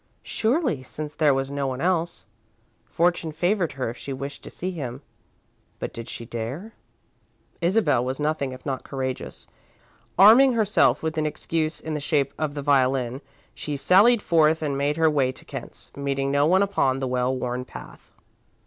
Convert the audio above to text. Surely, since there was no one else. Fortune favoured her if she wished to see him. But did she dare? Isabel was nothing if not courageous. Arming herself with an excuse in the shape of the violin, she sallied forth and made her way to Kent's, meeting no one upon the well worn path.